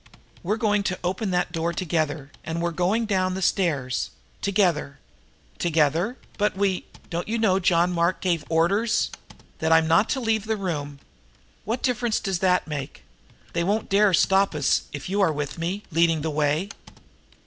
"We're going to open that door together, and we're going down the stairs together." "Together? But we Don't you know John Mark has given orders " "That I'm not to leave the room. What difference does that make? They won't dare stop us if you are with me, leading the way."